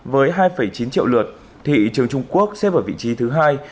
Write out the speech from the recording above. với hai chín triệu lượt thị trường trung quốc xếp ở vị trí thứ hai